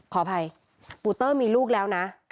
ขออภัยปูเตอร์มีลูกแล้วนะ